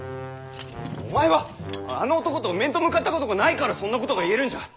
お前はあの男と面と向かったことがないからそんなことが言えるんじゃ！